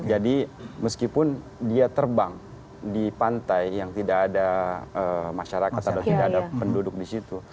jadi meskipun dia terbang di pantai yang tidak ada masyarakat atau tidak ada penduduk di situ